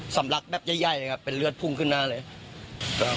สำลักแบบใหญ่เลยครับเป็นเลือดพุ่งขึ้นหน้าเลย